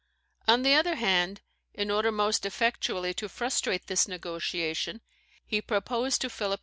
On the other hand, in order most effectually to frustrate this negotiation, he proposed to Philip II.